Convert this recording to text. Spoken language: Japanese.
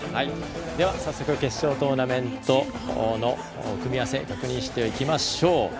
では早速決勝トーナメントの組み合わせを確認していきましょう。